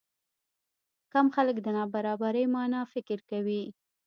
کم خلک د نابرابرۍ معنی فکر کوي.